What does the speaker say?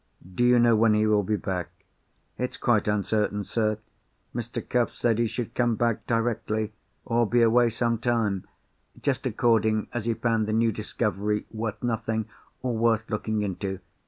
"Do you know when he will be back?" "It's quite uncertain, sir. Mr. Cuff said he should come back directly, or be away some time, just according as he found the new discovery worth nothing, or worth looking into.